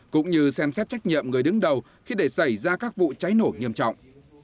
cũng như xem xét trách nhiệm người đứng đầu khi để xảy ra các vụ cháy nổ nghiêm trọng